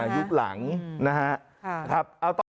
ยุคหลังนะครับ